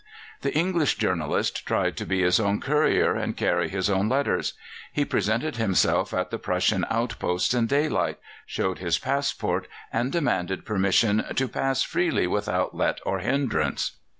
The English journalist tried to be his own courier and carry his own letters. He presented himself at the Prussian outposts in daylight, showed his passport, and demanded permission to "pass freely without let or hindrance."